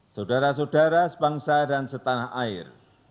saudara saudara sebangsa dan setanah air